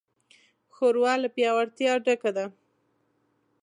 ښوروا له پیاوړتیا ډکه ده.